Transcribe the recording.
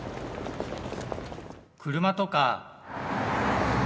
車とか。